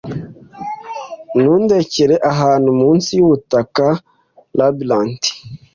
Nundekere ahantu munsi yubutaka labyrint